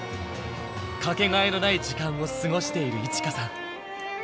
かけがえのない時間を過ごしている衣千華さん。